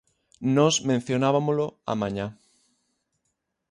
Nós mencionabámolo á mañá.